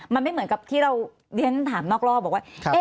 มันไม่เหมือนกับที่เราเรียนถามนอกรอบบอกว่า